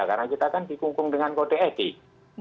kita kan dikungkung dengan kode etik